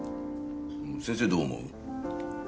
先生どう思う？